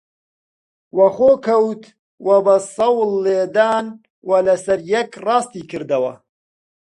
وە خۆ کەوت و بە سەوڵ لێدان و لەسەر یەک ڕاستی کردەوە